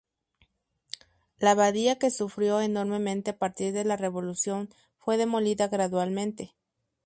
La abadía, que sufrió enormemente a partir de la Revolución, fue demolida gradualmente.